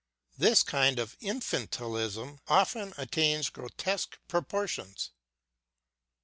This kind of " infantilism " often attains grotesque proportions.